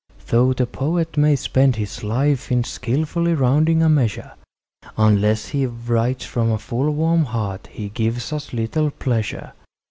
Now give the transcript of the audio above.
Though the poet may spend his life in skilfully rounding a measure, Unless he writes from a full, warm heart he gives us little pleasure.